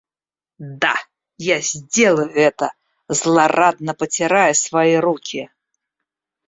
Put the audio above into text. Да, я сделаю это, злорадно потирая свои руки!